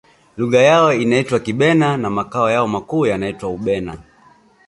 lugha yao inaitwa kibena na makao yao makuu yanaitwa ubena